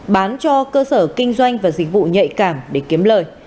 bán cho cơ sở kinh doanh và dịch vụ nhạy cảm để kiếm lời